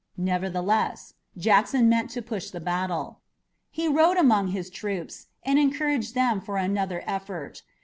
Nevertheless, Jackson meant to push the battle. He rode among his troops and encouraged them for another effort.